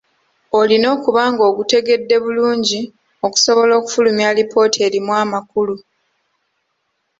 Olina okuba ng’ogutegedde bulungi okusobola okufulumya alipoota erimu amakulu.